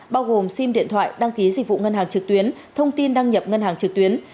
bao gồm sim điện thoại đăng ký dịch vụ ngân hàng trực tuyến thông tin đăng nhập ngân hàng trực tuyến